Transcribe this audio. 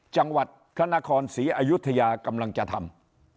จังหวัดพระนครศรีอยุธยากำลังจะทำ